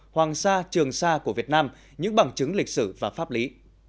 hoàng sa trường sa của việt nam những bằng chứng lịch sử và pháp lý